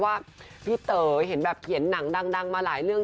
ว่าพี่เต๋อเห็นแบบเขียนหนังดังมาหลายเรื่อง